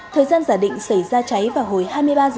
thời gian giả định xảy ra cháy vào hồi hai mươi ba h